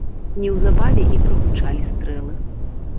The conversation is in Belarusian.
Неўзабаве і прагучалі стрэлы.